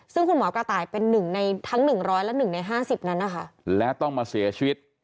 ซึ่งคุณหมอกระต่ายเป็นหนึ่งในทั้ง๑๐๐และ๑ใน๕๐นั้นนะคะและต้องมาเสียชีวิต